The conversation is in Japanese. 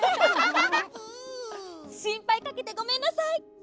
しんぱいかけてごめんなさい！